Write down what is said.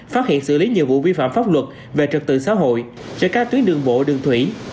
phát hiện xử lý nhiều vụ vi phạm pháp luật về trật tự xã hội trên các tuyến đường bộ đường thủy